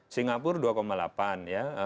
singapura dua delapan ya